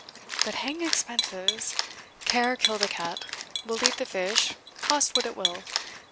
But hang expenses! care killed a cat we'll eat the fish, cost what it will.